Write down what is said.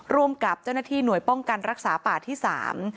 ร่วมกับเจ้าหน้าที่หน่วยป้องกันรักษาป่าที่สาม